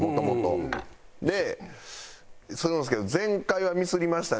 でするんですけど前回はミスりましたね